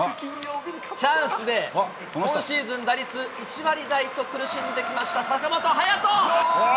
チャンスで、今シーズン打率１割台と苦しんできました坂本勇人。